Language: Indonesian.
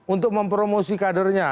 untuk mempromosi kadernya